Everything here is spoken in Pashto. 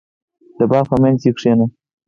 • د باغ په منځ کې کښېنه.